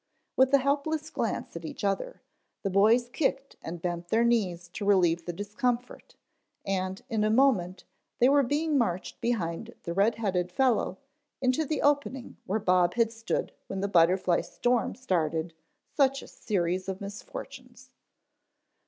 With a helpless glance at each other the boys kicked and bent their knees to relieve the discomfort, and in a moment they were being marched behind the red headed fellow into the opening where Bob had stood when the butterfly "storm" started such a series of misfortunes.